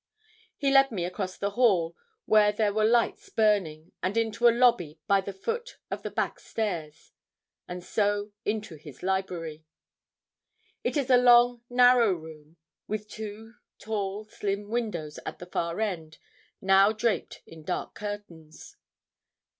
He led me across the hall, where there were lights burning, and into a lobby by the foot of the back stairs, and so into his library. It is a long, narrow room, with two tall, slim windows at the far end, now draped in dark curtains.